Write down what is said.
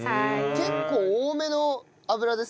結構多めの油ですね？